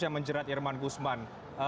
yang menjerat irman gursman